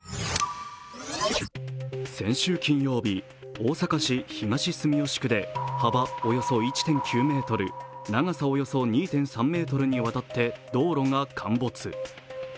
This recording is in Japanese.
先週金曜日、大阪市東住吉区で幅およそ１．９ｍ、長さおよそ２．３ｍにわたって道路が陥没。